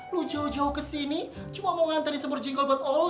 lu jauh jauh kesini cuma mau ngantarin semur jengkol buat olga